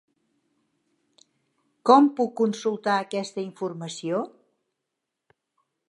Com puc consultar aquesta informació?